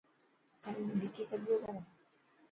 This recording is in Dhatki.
وڪي سڏ پيو ڪري.